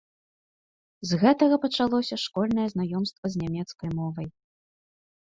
З гэтага пачалося школьнае знаёмства з нямецкай мовай.